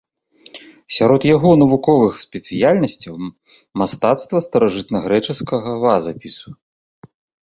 Сярод яго навуковых спецыяльнасцяў мастацтва старажытнагрэчаскага вазапісу.